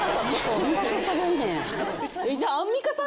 どんだけしゃべんねん。